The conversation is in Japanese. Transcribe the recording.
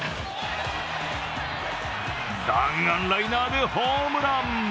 弾丸ライナーでホームラン。